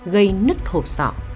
gây nứt hộp sọ